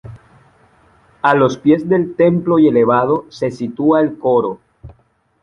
A los pies del templo y elevado, se sitúa el coro.